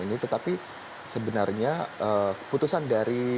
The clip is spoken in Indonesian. ini tetapi sebenarnya keputusan dari